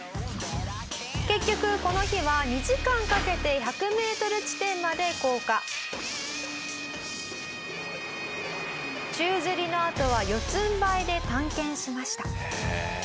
「結局この日は２時間かけて１００メートル地点まで降下」「宙づりのあとは四つんばいで探検しました」